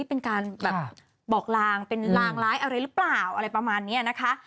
เป็นการแบบบอกลางเป็นลางร้ายอะไรหรือเปล่าอะไรประมาณนี้นะคะ